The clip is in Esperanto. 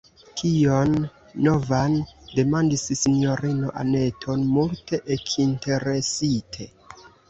« Kion novan? » demandis sinjorino Anneto multe ekinteresite.